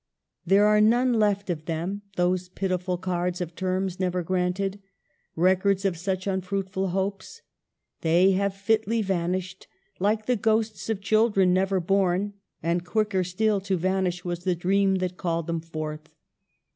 There are none left of them, those pitiful cards of terms never granted ; records of such unfruitful hopes. They have fitly vanished, like the ghosts of children never born ; and quicker still to vanish was the dream that called them forth.